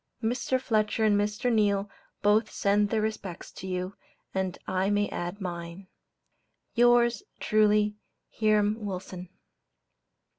Mr. Fletcher and Mr. Neale both send their respects to you, and I may add mine. Yours truly, HIRAM WILSON.